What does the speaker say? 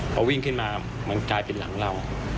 พอวิ่งขึ้นมามันกลายเป็นหลังเรา